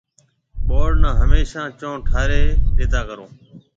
ٻاݪ نَي هميشا چونه ٺاريَ ڏيتا ڪرون۔